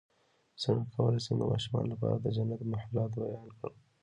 څنګه کولی شم د ماشومانو لپاره د جنت محلات بیان کړم